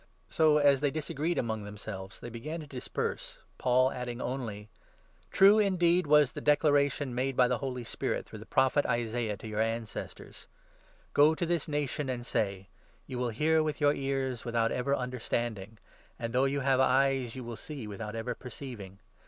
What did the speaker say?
So, as they disagreed among 25 themselves, they began to disperse, Paul adding only —" True, indeed, was the declaration made by the Holy Spirit, through the Prophet Isaiah to your ancestors— ' Go to this nation and say — 26 " You will hear with your ears without ever understanding, And, though you have eyes, you will see without ever perceiving'."